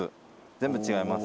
全部違います。